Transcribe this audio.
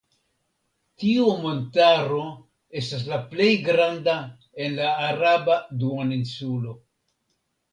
Tiu montaro estas la plej granda en la Araba Duoninsulo.